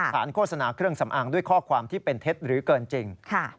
โฆษณาเครื่องสำอางด้วยข้อความที่เป็นเท็จหรือเกินจริง